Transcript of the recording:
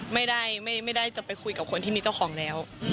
ไม่ได้จะไปคุยกับคนที่มีเจ้าของแล้ว